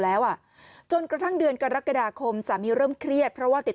แล้วอ่ะจนกระทั่งเดือนกรกฎาคมสามีเริ่มเครียดเพราะว่าติด